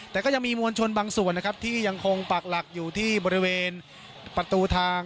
แต่ก็ยังมีมวลชนบางส่วนนะครับที่ยังคงปากหลักอยู่ที่บริเวณประตูทาง